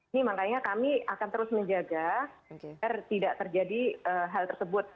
ini makanya kami akan terus menjaga agar tidak terjadi hal tersebut